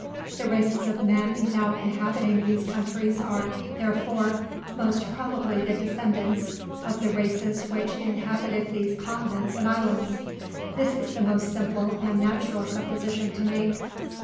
The races of men now inhabiting these countries are, therefore, most probably the descendants of the races which inhabited these continents and islands. This is the most simple and natural supposition to make.